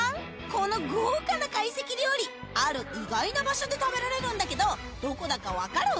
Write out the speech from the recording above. この豪華な懐石料理ある意外な場所で食べられるんだけどどこだか分かる？